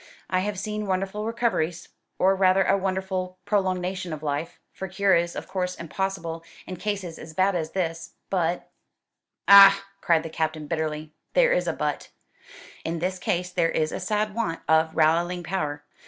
"I have seen wonderful recoveries or rather a wonderful prolongation of life, for cure is, of course, impossible in cases as bad as this. But " "Ah!" cried the Captain, bitterly, "there is a 'but.'" "In this case there is a sad want of rallying power.